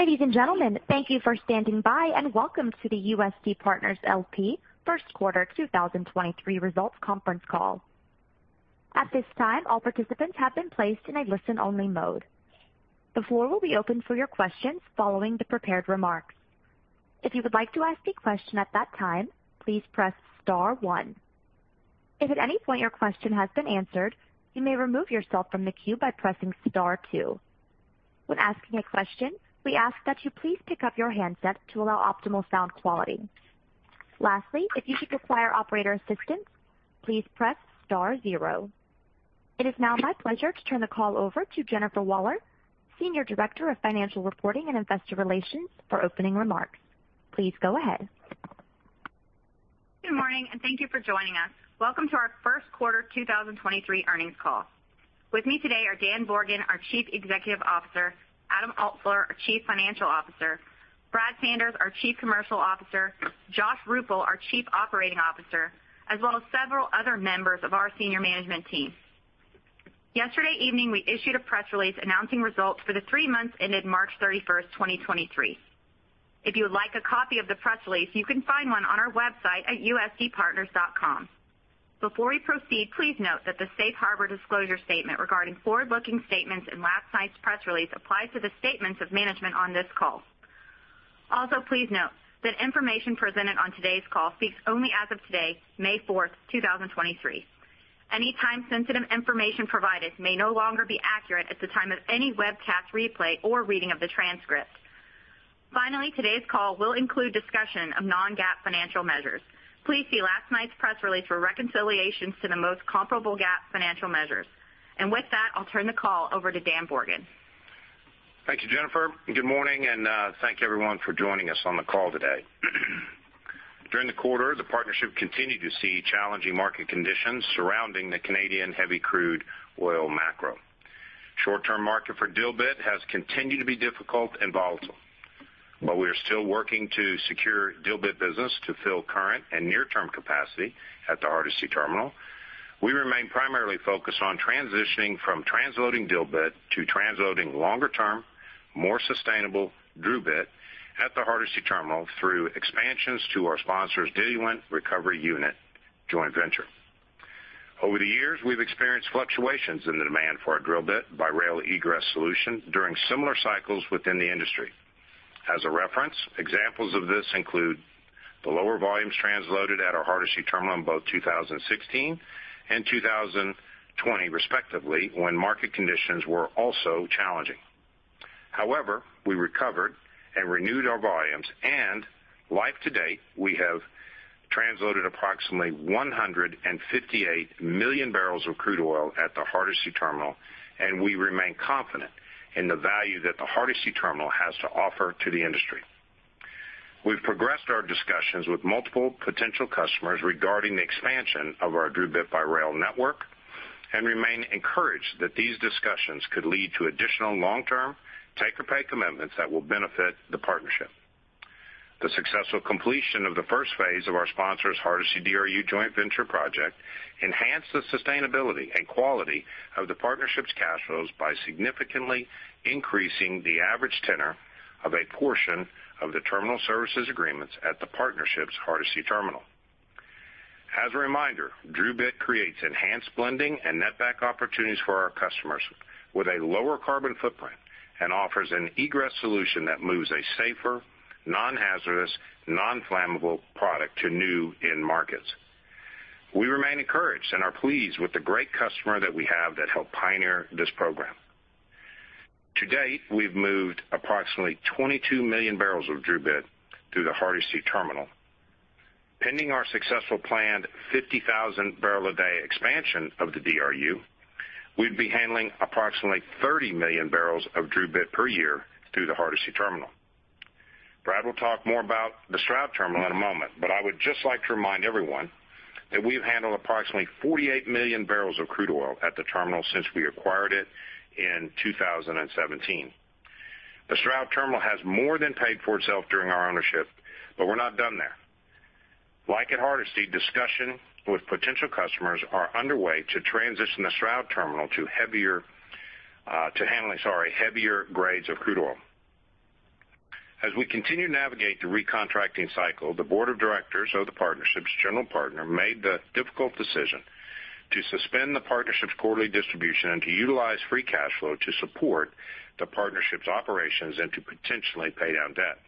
Ladies and gentlemen, thank you for standing by. Welcome to the USD Partners LP Q1 2023 Results Conference Call. At this time, all participants have been placed in a listen-only mode. The floor will be open for your questions following the prepared remarks. If you would like to ask a question at that time, please press star one. If at any point your question has been answered, you may remove yourself from the queue by pressing star two. When asking a question, we ask that you please pick up your handset to allow optimal sound quality. Lastly, if you should require operator assistance, please press star zero. It is now my pleasure to turn the call over to Jennifer Waller, Senior Director of Financial Reporting and Investor Relations, for opening remarks. Please go ahead. Good morning, and thank you for joining us. Welcome to our Q1 2023 Earnings Call. With me today are Dan Borgen, our Chief Executive Officer, Adam Altsuler, our Chief Financial Officer, Brad Sanders, our Chief Commercial Officer, Josh Ruple, our Chief Operating Officer, as well as several other members of our senior management team. Yesterday evening, we issued a press release announcing results for the three months ended March 31st, 2023. If you would like a copy of the press release, you can find one on our website at usdpartners.com. Before we proceed, please note that the safe harbor disclosure statement regarding forward-looking statements in last night's press release applies to the statements of management on this call. Also, please note that information presented on today's call speaks only as of today, May 4th, 2023. Any time-sensitive information provided may no longer be accurate at the time of any webcast replay or reading of the transcript. Today's call will include discussion of Non-GAAP financial measures. Please see last night's press release for reconciliations to the most comparable GAAP financial measures. With that, I'll turn the call over to Dan Borgen. Thank you, Jennifer. Good morning, and thank you, everyone, for joining us on the call today. During the quarter, the partnership continued to see challenging market conditions surrounding the Canadian heavy crude oil macro. Short-term market for Dilbit has continued to be difficult and volatile. While we are still working to secure Dilbit business to fill current and near-term capacity at the Hardisty Terminal, we remain primarily focused on transitioning from transloading Dilbit to transloading longer-term, more sustainable DRUbit at the Hardisty Terminal through expansions to our sponsor's Diluent Recovery Unit joint venture. Over the years, we've experienced fluctuations in the demand for our DRUbit by Rail egress solution during similar cycles within the industry. As a reference, examples of this include the lower volumes transloaded at our Hardisty Terminal in both 2016 and 2020, respectively, when market conditions were also challenging. We recovered and renewed our volumes, and life to date, we have transloaded approximately 158 million barrels of crude oil at the Hardisty Terminal, and we remain confident in the value that the Hardisty Terminal has to offer to the industry. We've progressed our discussions with multiple potential customers regarding the expansion of our DRUbit by Rail network and remain encouraged that these discussions could lead to additional long-term take-or-pay commitments that will benefit the partnership. The successful completion of the Phase I of our sponsor's Hardisty DRU joint venture project enhanced the sustainability and quality of the partnership's cash flows by significantly increasing the average tenor of a portion of the terminaling services agreements at the partnership's Hardisty Terminal. As a reminder, DRUbit creates enhanced blending and netback opportunities for our customers with a lower carbon footprint and offers an egress solution that moves a safer, non-hazardous, non-flammable product to new end markets. We remain encouraged and are pleased with the great customer that we have that helped pioneer this program. To date, we've moved approximately 22 million barrels of DRUbit through the Hardisty Terminal. Pending our successful planned 50,000 barrel a day expansion of the DRU, we'd be handling approximately 30 million barrels of DRUbit per year through the Hardisty Terminal. Brad will talk more about the Stroud Rail Terminal in a moment, I would just like to remind everyone that we've handled approximately 48 million barrels of crude oil at the terminal since we acquired it in 2017. The Stroud Terminal has more than paid for itself during our ownership. We're not done there. Like at Hardisty, discussion with potential customers are underway to transition the Stroud Terminal to heavier, sorry, heavier grades of crude oil. As we continue to navigate the re-contracting cycle, the board of directors of the partnership's general partner made the difficult decision to suspend the partnership's quarterly distribution and to utilize free cash flow to support the partnership's operations and to potentially pay down debt.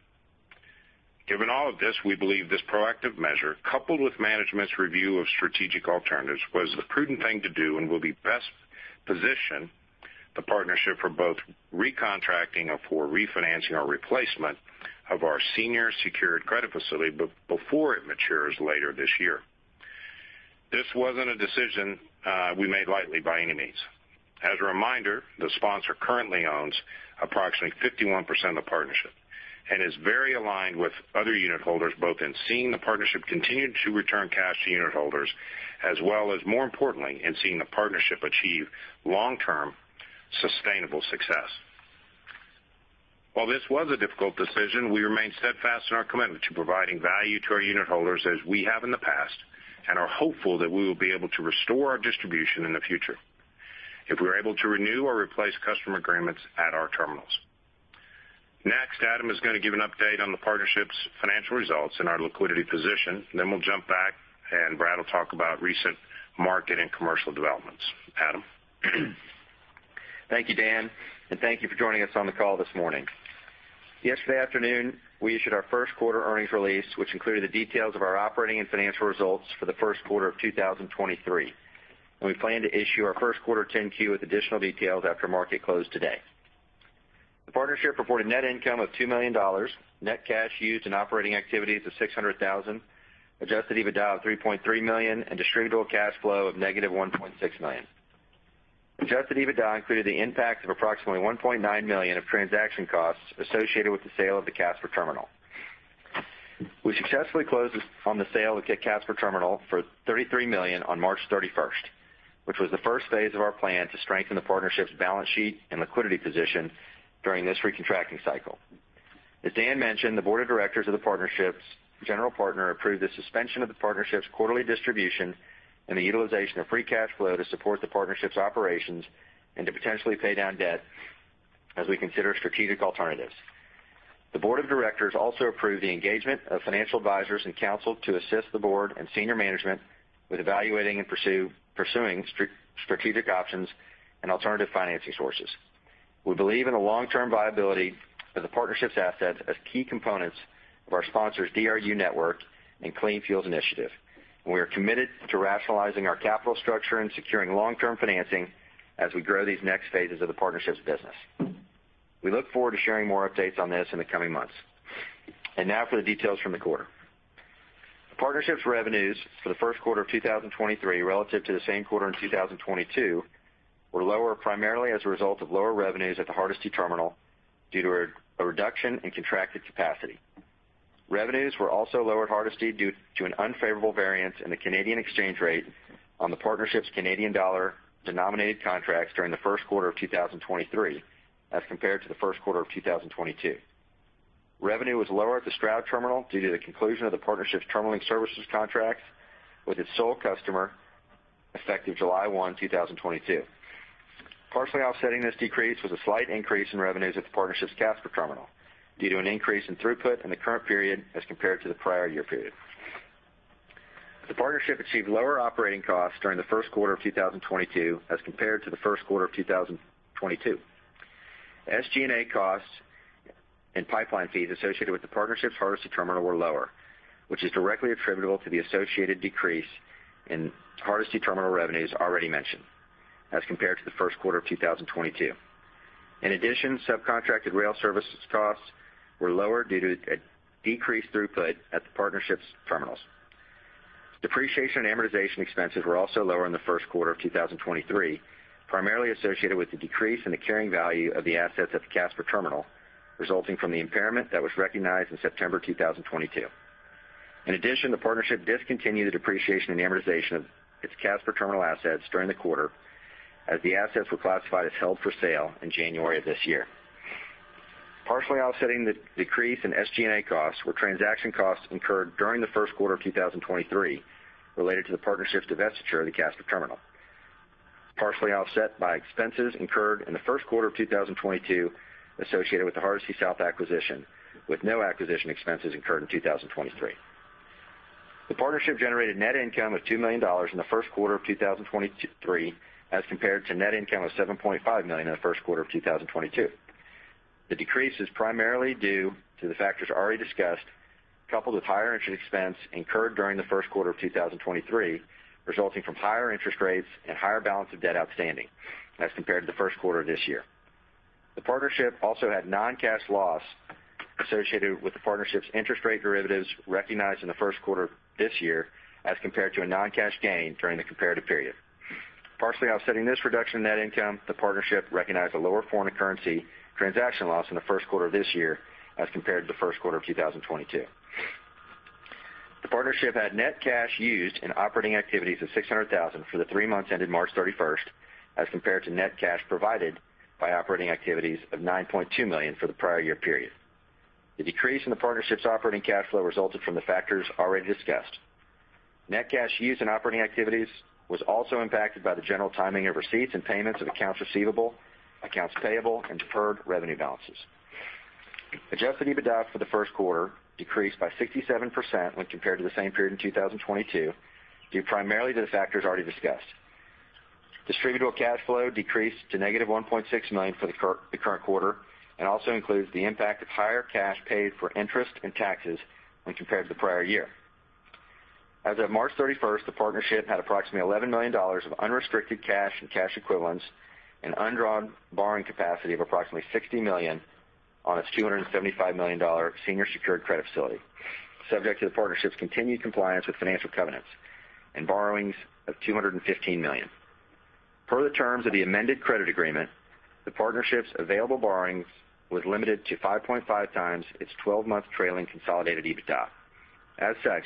Given all of this, we believe this proactive measure, coupled with management's review of strategic alternatives, was the prudent thing to do and will be best position the partnership for both re-contracting or for refinancing or replacement of our senior secured credit facility before it matures later this year. This wasn't a decision we made lightly by any means. As a reminder, the sponsor currently owns approximately 51% of the partnership and is very aligned with other unitholders, both in seeing the partnership continue to return cash to unitholders, as well as, more importantly, in seeing the partnership achieve long-term sustainable success. While this was a difficult decision, we remain steadfast in our commitment to providing value to our unitholders as we have in the past and are hopeful that we will be able to restore our distribution in the future. If we're able to renew or replace customer agreements at our terminals. Next, Adam is gonna give an update on the partnership's financial results and our liquidity position. We'll jump back, and Brad will talk about recent market and commercial developments. Adam? Thank you, Dan. Thank you for joining us on the call this morning. Yesterday afternoon, we issued our Q1 Earnings Release, which included the details of our operating and financial results for the Q1 of 2023. We plan to issue our Q1 10-Q with additional details after market close today. The partnership reported net income of $2 million, net cash used in operating activities of $600,000, adjusted EBITDA of $3.3 million, distributable cash flow of negative $1.6 million. Adjusted EBITDA included the impact of approximately $1.9 million of transaction costs associated with the sale of the Casper terminal. We successfully closed on the sale of the Casper terminal for $33 million on March 31st, which was the Phase I of our plan to strengthen the partnership's balance sheet and liquidity position during this re-contracting cycle. As Dan mentioned, the board of directors of the partnership's general partner approved the suspension of the partnership's quarterly distribution and the utilization of free cash flow to support the partnership's operations and to potentially pay down debt as we consider strategic alternatives. The board of directors also approved the engagement of financial advisors and counsel to assist the board and senior management with evaluating and pursuing strategic options and alternative financing sources. We believe in the long-term viability of the partnership's assets as key components of our sponsor's DRU network and Clean Fuels initiative, and we are committed to rationalizing our capital structure and securing long-term financing as we grow these next phases of the partnership's business. We look forward to sharing more updates on this in the coming months. Now for the details from the quarter. The partnership's revenues for the Q1 of 2023 relative to the same quarter in 2022 were lower primarily as a result of lower revenues at the Hardisty Terminal due to a reduction in contracted capacity. Revenues were also lower at Hardisty due to an unfavorable variance in the Canadian exchange rate on the partnership's Canadian dollar-denominated contracts during the first quarter of 2023 as compared to the Q1 of 2022. Revenue was lower at the Stroud Rail Terminal due to the conclusion of the partnership's terminaling services contract with its sole customer, effective July one, 2022. Partially offsetting this decrease was a slight increase in revenues at the partnership's Casper terminal due to an increase in throughput in the current period as compared to the prior year period. The partnership achieved lower operating costs during the Q1 of 2022 as compared to the Q1 of 2022. SG&A costs and pipeline fees associated with the partnership's Hardisty Terminal were lower, which is directly attributable to the associated decrease in Hardisty Terminal revenues already mentioned as compared to the Q1 of 2022. Sub-contracted rail services costs were lower due to a decreased throughput at the partnership's terminals. Depreciation and amortization expenses were also lower in the Q1 of 2023, primarily associated with the decrease in the carrying value of the assets at the Casper terminal, resulting from the impairment that was recognized in September 2022. In addition, the partnership discontinued the depreciation and amortization of its Casper terminal assets during the quarter as the assets were classified as held for sale in January of this year. Partially off-setting the decrease in SG&A costs were transaction costs incurred during the Q1 of 2023 related to the partnership's divestiture of the Casper terminal. Partially offset by expenses incurred in the Q1 of 2022 associated with the Hardisty South acquisition, with no acquisition expenses incurred in 2023. The partnership generated net-income of $2 million in the Q1 of 2023 as compared to net income of $7.5 million in the Q1 of 2022. The decrease is primarily due to the factors already discussed, coupled with higher interest expense incurred during the Q1 of 2023, resulting from higher interest rates and higher balance of debt outstanding as compared to the first quarter of this year. The partnership also had non-cash loss associated with the partnership's interest rate derivatives recognized in the Q1 this year as compared to a non-cash gain during the comparative period. Partially off-setting this reduction in net income, the partnership recognized a lower foreign currency transaction loss in the first quarter of this year as compared to the Q1 of 2022. The partnership had net cash used in operating activities of $600,000 for the three months ended March 31st, as compared to net cash provided by operating activities of $9.2 million for the prior year period. The decrease in the partnership's operating cash flow resulted from the factors already discussed. Net cash used in operating activities was also impacted by the general timing of receipts and payments of accounts receivable, accounts payable, and deferred revenue balances. Adjusted EBITDA for the first quarter decreased by 67% when compared to the same period in 2022, due primarily to the factors already discussed. Distributable cash flow decreased to negative $1.6 million for the current quarter and also includes the impact of higher cash paid for interest and taxes when compared to the prior year. As of March 31st, the partnership had approximately $11 million of unrestricted cash and cash equivalents and undrawn borrowing capacity of approximately $60 million on its $275 million senior secured credit facility, subject to the partnership's continued compliance with financial covenants and borrowings of $215 million. Per the terms of the amended credit agreement, the partnership's available borrowings was limited to 5.5 times its 12-month trailing consolidated EBITDA. As such,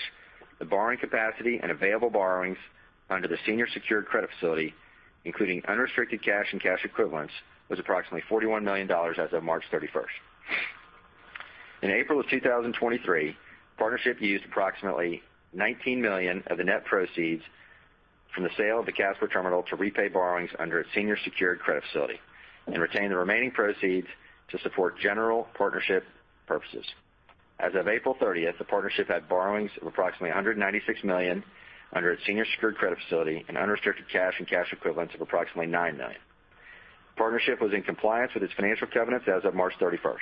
the borrowing capacity and available borrowings under the senior secured credit facility, including unrestricted cash and cash equivalents, was approximately $41 million as of March 31st. In April 2023, partnership used approximately $19 million of the net proceeds from the sale of the Casper terminal to repay borrowings under its senior secured credit facility and retain the remaining proceeds to support general partnership purposes. As of April 30th, the partnership had borrowings of approximately $196 million under its senior secured credit facility and unrestricted cash and cash equivalents of approximately $9 million. Partnership was in compliance with its financial covenants as of March 31st.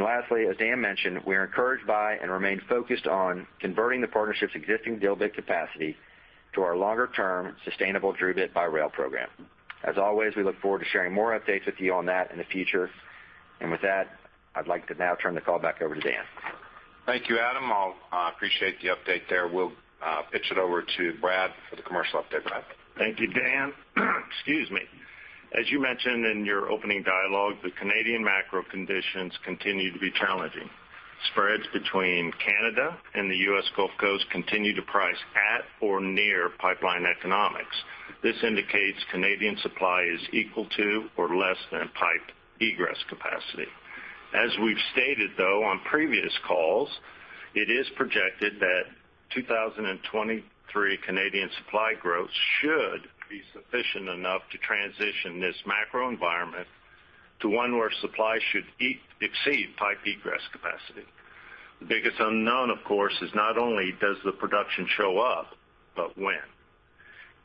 Lastly, as Dan mentioned, we are encouraged by and remain focused on converting the partnership's existing Dilbit capacity to our longer-term sustainable DRUbit by Rail program. As always, we look forward to sharing more updates with you on that in the future. With that, I'd like to now turn the call back over to Dan. Thank you, Adam. I'll appreciate the update there. We'll pitch it over to Brad for the commercial update. Brad? Thank you, Dan. Excuse me. As you mentioned in your opening dialogue, the Canadian macro conditions continue to be challenging. Spreads between Canada and the U.S. Gulf Coast continue to price at or near pipeline economics. This indicates Canadian supply is equal to or less than pipe egress capacity. As we've stated, though, on previous calls, it is projected that 2023 Canadian supply growth should be sufficient enough to transition this macro environment to one where supply should exceed pipe egress capacity. The biggest unknown, of course, is not only does the production show up, but when.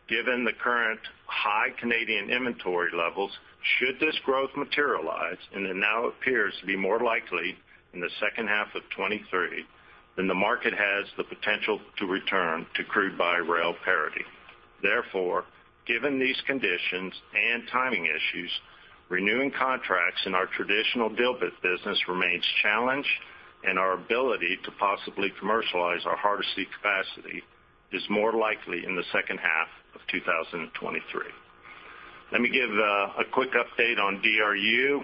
Given the current high Canadian inventory levels, should this growth materialize, and it now appears to be more likely in the second half of 2023, then the market has the potential to return to Crude by Rail parity. Therefore, given these conditions and timing issues, renewing contracts in our traditional Dilbit business remains challenged, and our ability to possibly commercialize our Hardisty capacity is more likely in the second half of 2023. Let me give a quick update on DRU.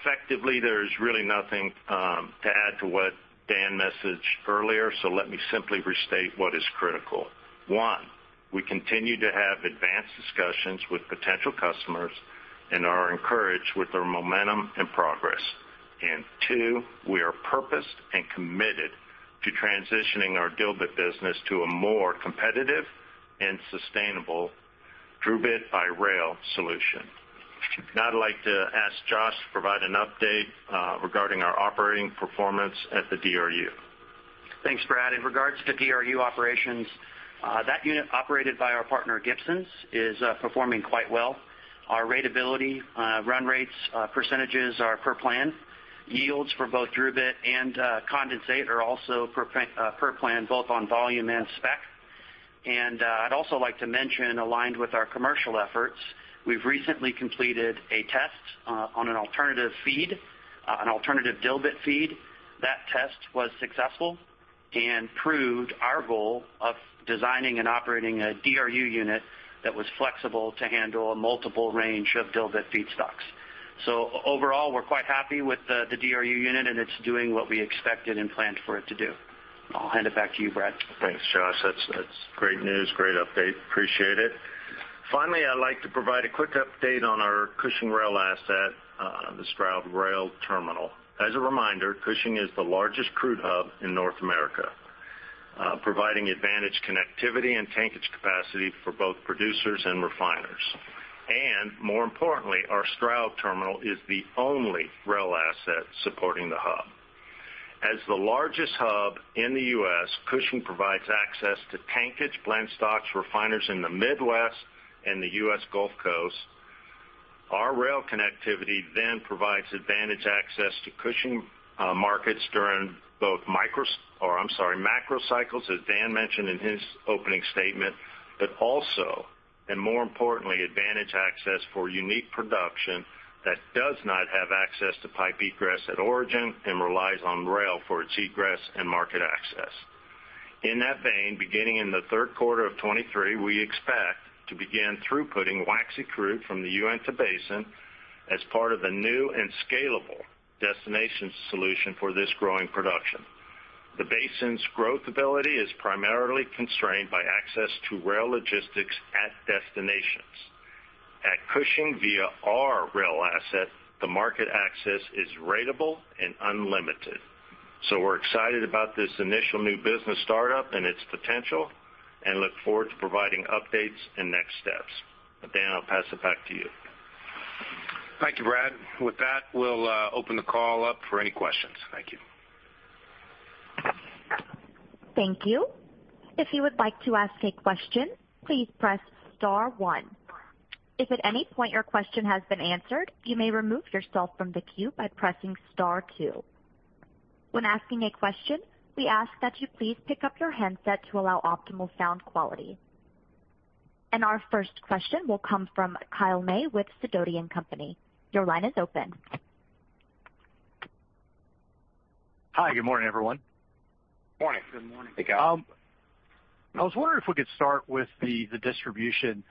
Effectively, there's really nothing to add to what Dan messaged earlier, so let me simply restate what is critical. One, we continue to have advanced discussions with potential customers and are encouraged with their momentum and progress. Two, we are purposed and committed to transitioning our Dilbit business to a more competitive and sustainable DRUbit by Rail solution. Now I'd like to ask Josh to provide an update regarding our operating performance at the DRU. Thanks, Brad. In regards to DRU operations, that unit operated by our partner, Gibson's, is performing quite well. Our ratability, run rates, percentages are per plan. Yields for both DRuit and condensate are also per plan, both on volume and spec. I'd also like to mention, aligned with our commercial efforts, we've recently completed a test on an alternative feed, an alternative Dilbit feed. That test was successful and proved our goal of designing and operating a DRU unit that was flexible to handle a multiple range of Dilbit feedstocks. Overall, we're quite happy with the DRU-unit, and it's doing what we expected and planned for it to do. I'll hand it back to you, Brad. Thanks, Josh. That's great news. Great update. Appreciate it. Finally, I'd like to provide a quick update on our Stroud Rail Terminal. As a reminder, Cushing is the largest crude hub in North America, providing advantage connectivity and tankage capacity for both producers and refiners. More importantly, our Stroud terminal is the only rail asset supporting the hub. As the largest hub in the U.S., Cushing provides access to tankage, blend stocks, refiners in the Midwest and the US Gulf Coast. Our rail connectivity provides advantage access to Cushing markets during both macro cycles, as Dan mentioned in his opening statement, but also, and more importantly, advantage access for unique production that does not have access to pipe egress at origin and relies on rail for its egress and market access. In that vein, beginning in the Q3 of 2023, we expect to begin through putting waxy crude from the Uinta Basin as part of a new and scalable destination solution for this growing production. The basin's growth ability is primarily constrained by access to rail logistics at destinations. At Cushing, via our rail asset, the market access is ratable and unlimited. We're excited about this initial new business startup and its potential and look forward to providing updates and next steps. Dan, I'll pass it back to you. Thank you, Brad. With that, we'll open the call up for any questions. Thank you. Thank you. If you would like to ask a question, please press star one. If at any point your question has been answered, you may remove yourself from the queue by pressing star two. When asking a question, we ask that you please pick up your handset to allow optimal sound quality. Our first question will come from Kyle May with Sidoti & Company. Your line is open. Hi. Good morning, everyone. Morning. Good morning. Hey, Kyle. I was wondering if we could start with the distribution.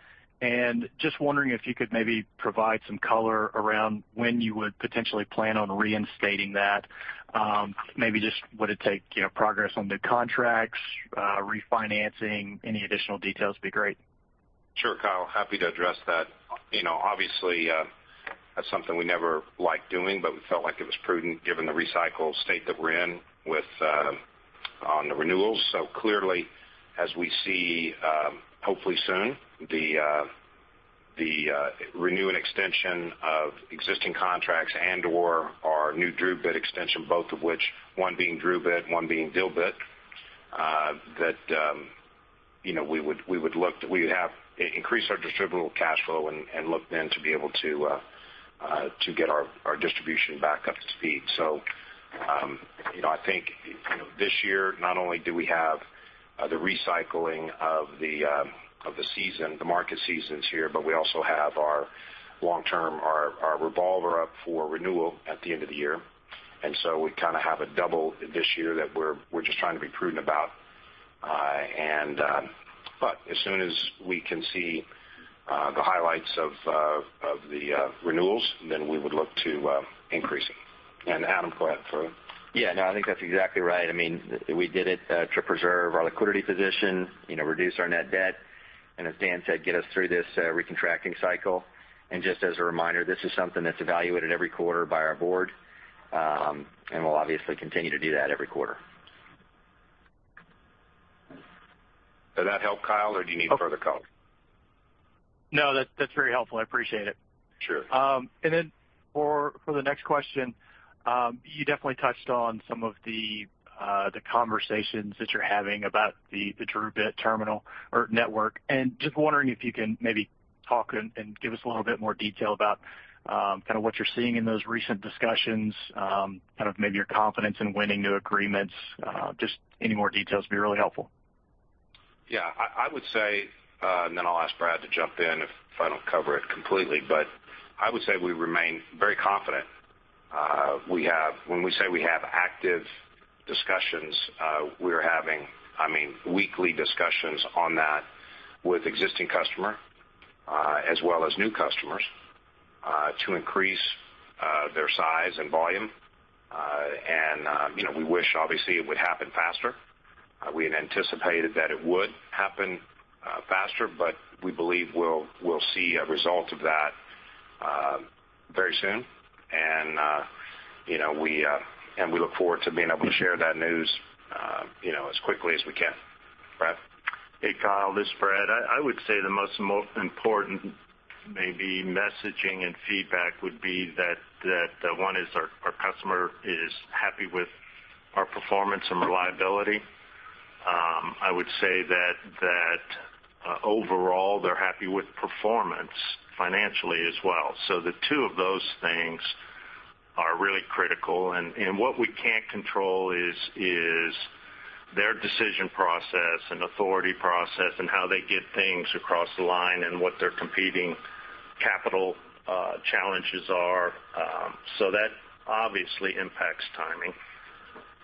Just wondering if you could maybe provide some color around when you would potentially plan on reinstating that. Maybe just would it take, you know, progress on new contracts, refinancing? Any additional details would be great. Sure, Kyle, happy to address that. You know, obviously, that's something we never liked doing, but we felt like it was prudent given the recycle state that we're in with on the renewals. Clearly, as we see, hopefully soon the renew and extension of existing contracts and or our new DRUbit extension, both of which one being DRUbit, one being Dilbit, that, you know, we would have increased our distributable cash flow and look then to be able to get our distribution back up to speed. You know, I think, you know, this year, not only do we have the recycling of the season, the market seasons here, but we also have our long-term, our revolver up for renewal at the end of the year. We kinda have a double this year that we're just trying to be prudent about. As soon as we can see the highlights of the renewals, then we would look to increasing. Adam, go ahead. Yeah, no, I think that's exactly right. I mean, we did it to preserve our liquidity position, you know, reduce our net debt, and as Dan said, get us through this re-contracting cycle. Just as a reminder, this is something that's evaluated every quarter by our board, and we'll obviously continue to do that every quarter. Did that help, Kyle, or do you need further color? No, that's very helpful. I appreciate it. Sure. Then for the next question, you definitely touched on some of the conversations that you're having about the DRUbit terminal or network. Just wondering if you can maybe talk and give us a little bit more detail about kinda what you're seeing in those recent discussions, kind of maybe your confidence in winning new agreements. Just any more details would be really helpful. Yeah. I would say, and then I'll ask Brad to jump in if I don't cover it completely, but I would say we remain very confident. When we say we have active discussions, we're having, I mean, weekly discussions on that with existing customer, as well as new customers, to increase their size and volume. You know, we wish obviously it would happen faster. We had anticipated that it would happen faster, but we believe we'll see a result of that very soon. You know, we, and we look forward to being able to share that news, you know, as quickly as we can. Brad? Hey, Kyle, this is Brad. I would say the most important maybe messaging and feedback would be that one is our customer is happy with our performance and reliability. I would say that overall, they're happy with performance financially as well. The two of those things are really critical. What we can't control is their decision process and authority process and how they get things across the line and what their competing capital challenges are. That obviously impacts timing.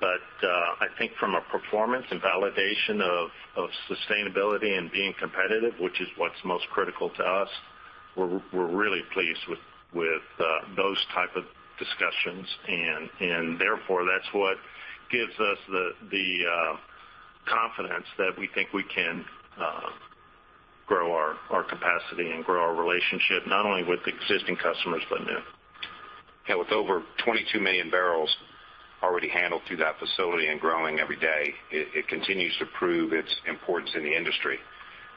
I think from a performance and validation of sustainability and being competitive, which is what's most critical to us, we're really pleased with those type of discussions. Therefore, that's what gives us the confidence that we think we can grow our capacity and grow our relationship, not only with existing customers, but new. Yeah, with over 22 million barrels already handled through that facility and growing every day, it continues to prove its importance in the industry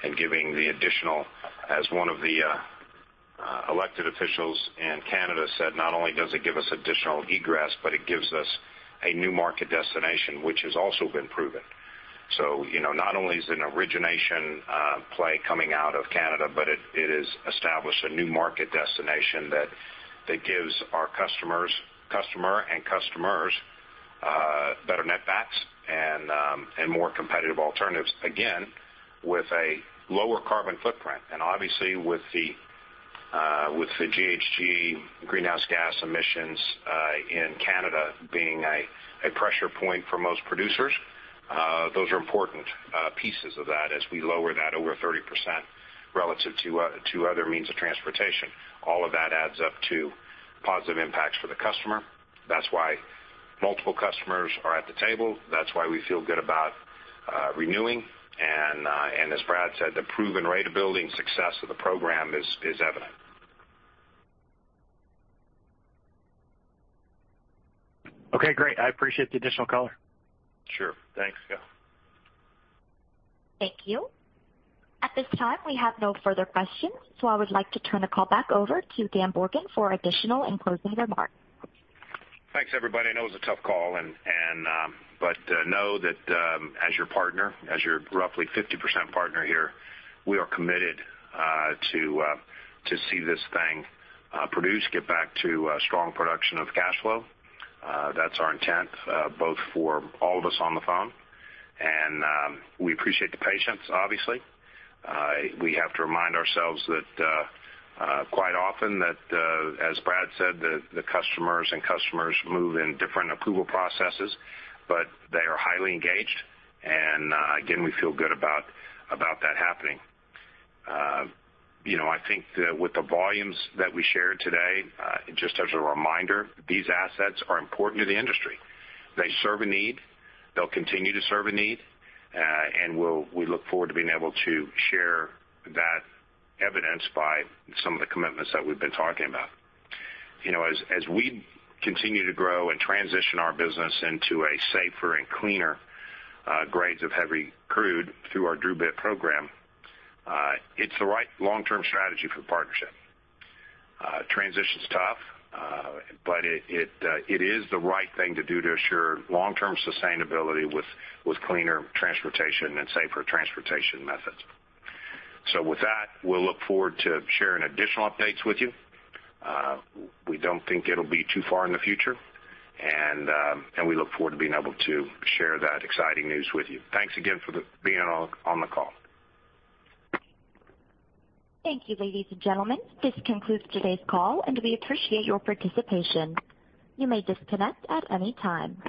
and giving the additional, as one of the elected officials in Canada said, not only does it give us additional egress, but it gives us a new market destination, which has also been proven. You know, not only is it an origination play coming out of Canada, but it has established a new market destination that gives our customers, customer and customers, better netbacks and more competitive alternatives, again, with a lower carbon-footprint. Obviously, with the GHG, greenhouse gas emissions, in Canada being a pressure point for most producers, those are important pieces of that as we lower that over 30% relative to other means of transportation. All of that adds up to positive impacts for the customer. That's why multiple customers are at the table. That's why we feel good about renewing. As Brad said, the proven rate of building success of the program is evident. Okay, great. I appreciate the additional color. Sure. Thanks, Kyle. Thank you. At this time, we have no further questions. I would like to turn the call back over to Dan Borgen for additional and closing remarks. Thanks, everybody. I know it was a tough call. Know that, as your partner, as your roughly 50% partner here, we are committed to see this thing produce, get back to a strong production of cash flow. That's our intent, both for all of us on the phone, and we appreciate the patience, obviously. We have to remind ourselves that quite often that, as Brad said, the customers move in different approval processes, but they are highly engaged. Again, we feel good about that happening. You know, I think with the volumes that we shared today, just as a reminder, these assets are important to the industry. They serve a need. They'll continue to serve a need. We look forward to being able to share that evidence by some of the commitments that we've been talking about. You know, as we continue to grow and transition our business into a safer and cleaner grades of heavy crude through our DRUbit program, it's the right long-term strategy for partnership. Transition's tough, but it is the right thing to do to assure long-term sustainability with cleaner transportation and safer transportation methods. With that, we'll look forward to sharing additional updates with you. We don't think it'll be too far in the future, and we look forward to being able to share that exciting news with you. Thanks again for being on the call. Thank you, ladies and gentlemen. This concludes today's call. We appreciate your participation. You may disconnect at any time.